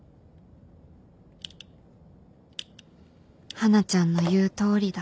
華ちゃんの言うとおりだ